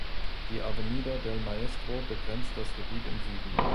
Die Avenida del Maestro begrenzt das Gebiet im Süden.